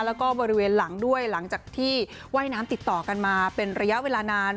แล้วก็บริเวณหลังด้วยหลังจากที่ว่ายน้ำติดต่อกันมาเป็นระยะเวลานาน